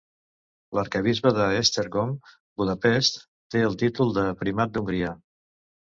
L'arquebisbe d'Esztergom-Budapest té el títol de Primat d'Hongria.